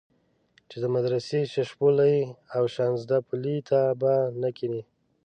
چې د مدرسې ششپولي او شانزدا پلي ته به نه کېنې.